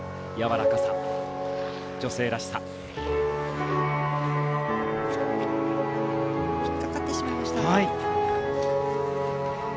引っかかってしまいました。